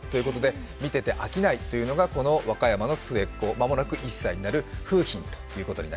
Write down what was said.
見てて飽きないというのがこの和歌山の末っ子、間もなく１歳になる楓浜です。